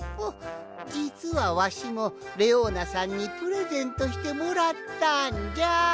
じつはわしもレオーナさんにプレゼントしてもらったんじゃ！